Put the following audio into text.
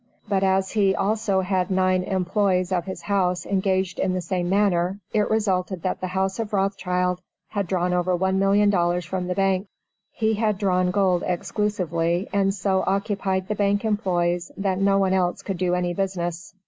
But as he also had nine employes of his house engaged in the same manner, it resulted that the house of Rothschild had drawn over $1,000,000 from the bank. He had drawn gold exclusively, and so occupied the bank employes that no one else could do any business.